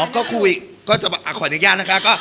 อ๋อก็คุยก็จะบอกอ่ะขออนุญาตนะคะก็